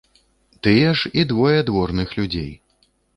Тыя ж і двое дворных людзей.